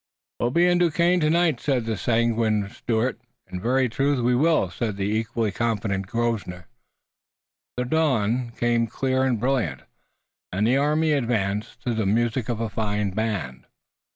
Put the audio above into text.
"We'll be in Duquesne tonight," said the sanguine Stuart. "In very truth we will," said the equally confident Grosvenor. The dawn came clear and brilliant, and the army advanced, to the music of a fine band.